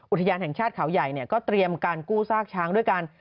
อุทยานแห่งชาติเขาใหญ่ก็เตรียมการกู้ซากช้างด้วยกัน